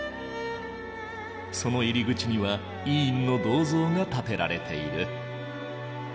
その入り口には伊尹の銅像が建てられている。